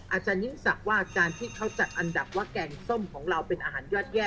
อาจารยิ่งศักดิ์ว่าการที่เขาจัดอันดับว่าแกงส้มของเราเป็นอาหารยอดแย่